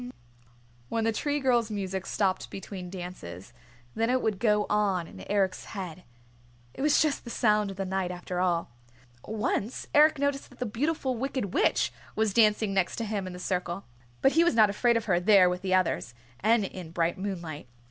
When the Tree Girl's music stopped between dances, then it would go on in Eric's head. It was just the sound of the night after all. Once Eric noticed that the Beautiful Wicked Witch was dancing next to him in the circle but he was not afraid of her there with the others, and in bright moonlight.